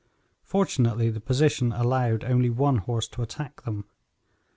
Fortunately the position allowed only one horse to attack them.